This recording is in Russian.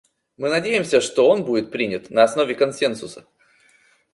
Мы надеемся, что он будет принят на основе консенсуса.